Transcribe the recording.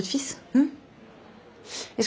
うん？